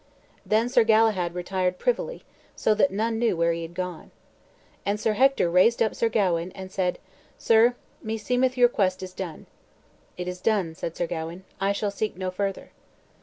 Then Sir Galahad retired privily, so that none knew where he had gone. And Sir Hector raised up Sir Gawain, and said, "Sir, me seemeth your quest is done." "It is done," said Sir Gawain; "I shall seek no further."